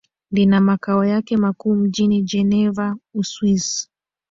lina makao yake makuu mjini geneva Uswisi